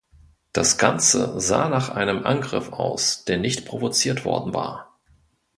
Das Ganze sah nach einem Angriff aus, der nicht provoziert worden war.